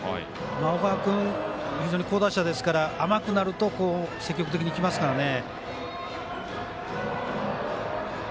小川君、非常に好打者ですから甘くなると積極的にきますからね。